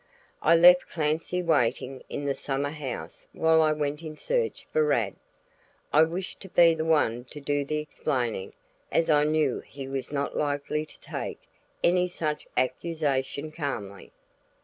I left Clancy waiting in the summer house while I went in search of Rad. I wished to be the one to do the explaining as I knew he was not likely to take any such accusation calmly.